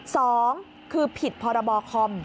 สองคือผิดพรบคอม